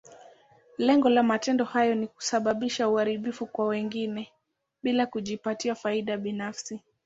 Lengo la matendo haya ni kusababisha uharibifu kwa wengine, bila kujipatia faida binafsi.